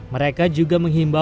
mereka juga menghilangkan